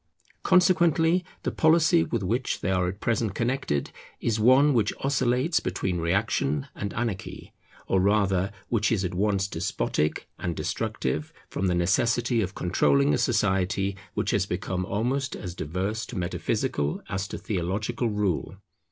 Consequently the policy with which they are at present connected is one which oscillates between reaction and anarchy, or rather which is at once despotic and destructive, from the necessity of controlling a society which has become almost as diverse to metaphysical as to theological rule.